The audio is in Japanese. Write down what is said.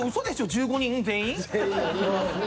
１５人全員？